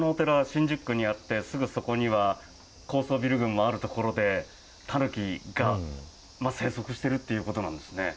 新宿区にあってすぐそこには高層ビル群もあるところでタヌキが生息しているということなんですね。